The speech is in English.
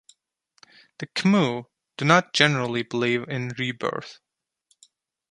The Khmu do not generally believe in rebirth.